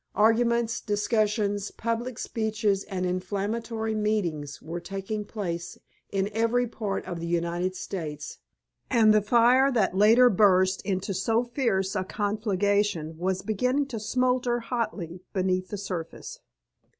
Arguments, discussions, public speeches and inflammatory meetings were taking place in every part of the United States, and the fire that later burst into so fierce a conflagration was beginning to smoulder hotly beneath the surface.